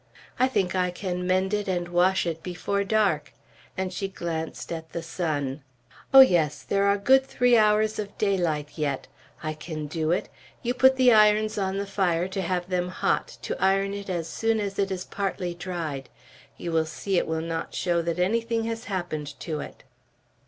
I think I can mend it and wash it before dark," and she glanced at the sun. "Oh, yes, there are good three hours of daylight yet. I can do it. You put the irons on the fire, to have them hot, to iron it as soon as it is partly dried. You will see it will not show that anything has happened to it."